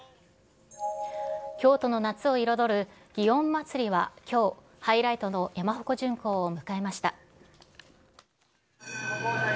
京都の夏を彩る、祇園祭はきょう、ハイライトの山鉾巡行を迎えました。